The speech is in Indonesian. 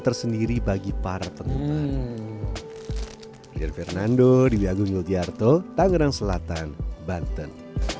tersendiri bagi para penumpang fernando diwiagung yogyakarta tangerang selatan banten